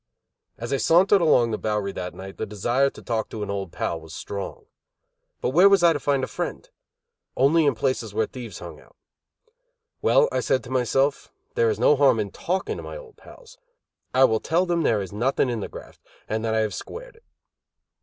As I sauntered along the Bowery that night the desire to talk to an old pal was strong. But where was I to find a friend? Only in places where thieves hung out. "Well," I said to myself, "there is no harm in talking to my old pals. I will tell them there is nothing in the graft, and that I have squared it."